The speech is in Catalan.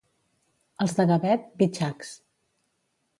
Els de Gavet, bitxacs.